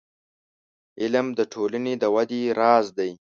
• علم، د ټولنې د ودې راز دی.